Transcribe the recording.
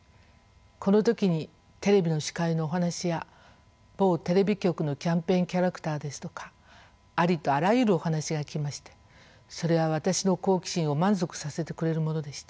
この時にテレビの司会のお話や某テレビ局のキャンペーンキャラクターですとかありとあらゆるお話が来ましてそれは私の好奇心を満足させてくれるものでした。